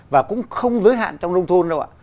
và cũng không giới hạn trong nông thôn đâu ạ